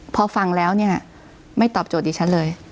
พอฟังแล้วเนี่ยไม่ตอบโจทย์ดิฉันเลย